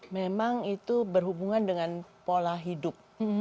memang itu berhubungan dengan pola hidup